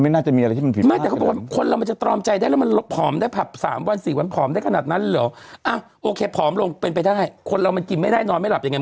เรามันเปลี่ยนใบมันเปลี่ยนได้จริงจริงเหรอ